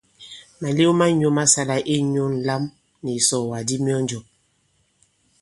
Màlew ma nyɔ̄ ma sāla inyū ǹlam nì ìsɔ̀ɔ̀wàk di myɔnjɔ̀.